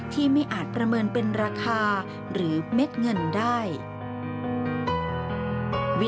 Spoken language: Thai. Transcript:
ไม่อาจประเมินเป็นราคาหรือเม็ดเงินได้